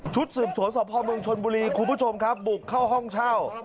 สืบสวนสพเมืองชนบุรีคุณผู้ชมครับบุกเข้าห้องเช่า